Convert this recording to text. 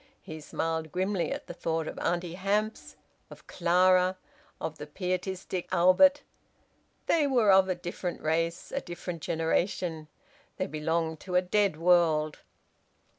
He smiled grimly at the thought of Auntie Hamps, of Clara, of the pietistic Albert! They were of a different race, a different generation! They belonged to a dead world!)